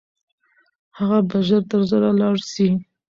هغه به ژر تر ژره لاړ سي.